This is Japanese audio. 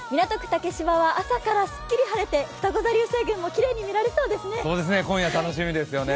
竹芝は朝からすっきり晴れて、ふたご座流星群もきれいに見えそうですね。